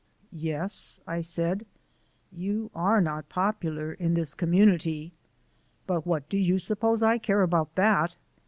"Yes," I said, "you are not popular in this community, but what do you suppose I care about that?